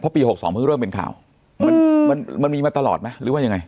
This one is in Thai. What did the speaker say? เพราะปีหกสองมันก็เริ่มเป็นข่าวอืมมันมีมาตลอดไหมหรือว่ายังไง